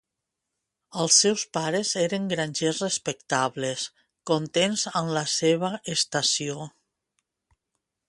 Els seus pares eren grangers respectables, contents amb la seva estació.